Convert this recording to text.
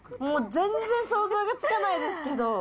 もう全然想像がつかないですけど。